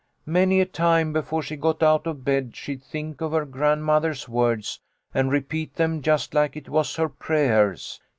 Many a time before she got out of bed she'd think of her grandmother's words and repeat them just like it was her prayers.